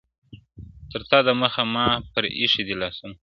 تر تا د مخه ما پر ایښي دي لاسونه-